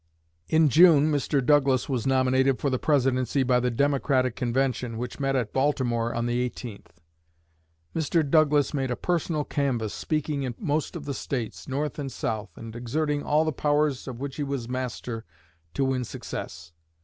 In June Mr. Douglas was nominated for the Presidency by the Democratic convention, which met at Baltimore on the 18th. Mr. Douglas made a personal canvass, speaking in most of the states, North and South, and exerting all the powers of which he was master to win success.